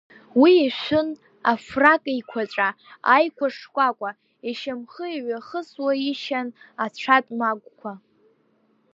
Уи ишәын афрак еиқәаҵәа, аиқәа шкәакәа, ишьамхы иҩахысуа ишьан ацәатә магәқәа.